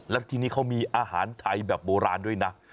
และที่นี่เขามีอาหารไทยแบบโบราณด้วยนะ